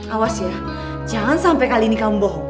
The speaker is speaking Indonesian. awas ya jangan sampe kali ini kamu bohong